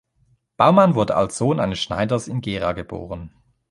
Baumann wurde als Sohn eines Schneiders in Gera geboren.